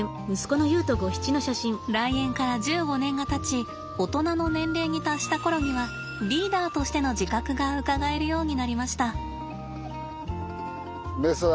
来園から１５年がたち大人の年齢に達した頃にはリーダーとしての自覚がうかがえるようになりました。